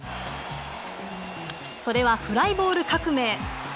それはフライボール革命。